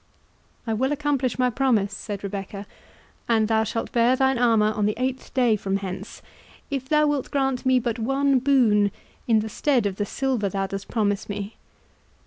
"I will accomplish my promise," said Rebecca, "and thou shalt bear thine armour on the eighth day from hence, if thou will grant me but one boon in the stead of the silver thou dost promise me."